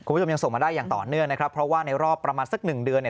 คุณผู้ชมยังส่งมาได้อย่างต่อเนื่องนะครับเพราะว่าในรอบประมาณสักหนึ่งเดือนเนี่ย